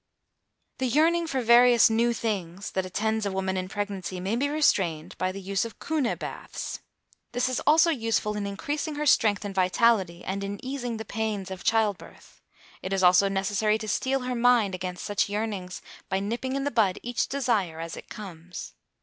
The yearning for various new things that attends a woman in pregnancy may be restrained by the use of "Kuhne Baths". This is also useful in increasing her strength and vitality, and in easing the pangs of child birth. It is also necessary to steel her mind against such yearnings by nipping in the bud each desire as it comes.